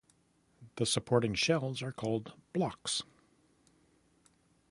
The supporting shells are called blocks.